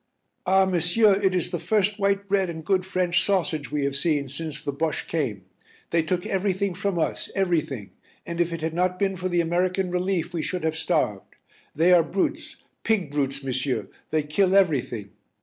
"Ah, monsieur, it is the first white bread and good French sausage we have seen since the Bosches came. They took everything from us, everything, and if it had not been for the American relief we should have starved. They are brutes, pig brutes, monsieur, they kill everything."